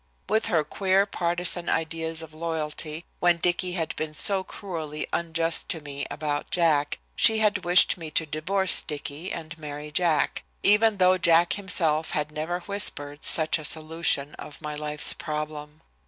With her queer partisan ideas of loyalty, when Dicky had been so cruelly unjust to me about Jack, she had wished me to divorce Dicky and marry Jack, even though Jack himself had never whispered such a solution of my life's problem.